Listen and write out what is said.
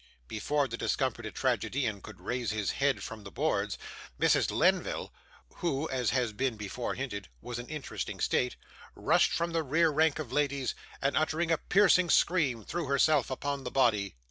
Before the discomfited tragedian could raise his head from the boards, Mrs. Lenville (who, as has been before hinted, was in an interesting state) rushed from the rear rank of ladies, and uttering a piercing scream threw herself upon the body.